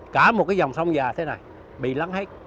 cả một cái dòng sông già thế này bị lắng hết